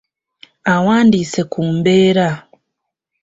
Awandiise ku mbeera.